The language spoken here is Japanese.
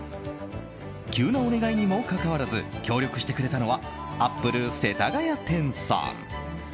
急なお願いにもかかわらず協力してくれたのはアップル世田谷店さん。